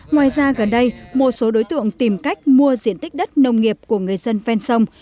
ngoài ra gần đây một số đối tượng tìm cách mua diện tích đất nông nghiệp của người dân ven sông